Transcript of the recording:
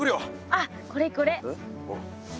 あっこれこれ。